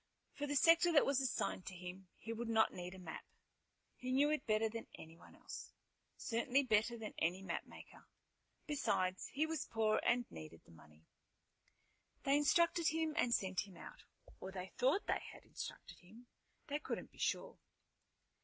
For the sector that was assigned to him he would not need a map. He knew it better than anyone else, certainly better than any mapmaker. Besides, he was poor and needed the money. They instructed him and sent him out. Or they thought that they had instructed him. They couldn't be sure.